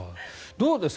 どうですか？